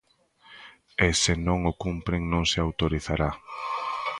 E se non o cumpren non se autorizará.